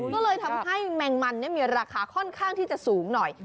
ก็เลยทำให้แมงมันมีราคาค่อนข้างที่จะสูงหน่อย